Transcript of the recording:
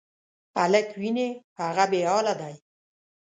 هلک وینې، هغه بېحاله دی.